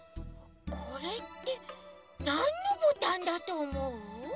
これってなんのボタンだとおもう？